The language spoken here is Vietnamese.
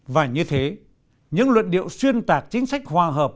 và như thế những luận điệu xuyên tạc chính sách hòa hợp